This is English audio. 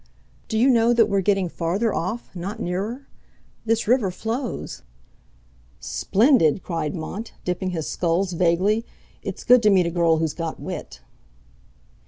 "Do you know that we're getting farther off, not nearer? This river flows." "Splendid!" cried Mont, dipping his sculls vaguely; "it's good to meet a girl who's got wit."